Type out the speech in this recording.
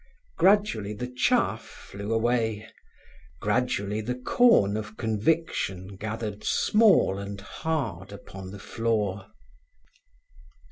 Gradually the chaff flew away; gradually the corn of conviction gathered small and hard upon the floor.